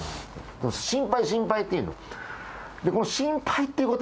心配、心配って言うの。